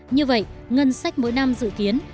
như vậy ngân sách mỗi năm dự kiến